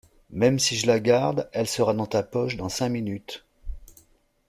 même si je la garde elle sera dans ta poche dans cinq minutes.